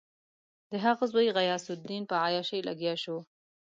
د هغه زوی غیاث الدین په عیاشي لګیا شو.